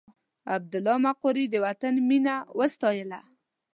عبدالله مقري د وطن مینه وستایله.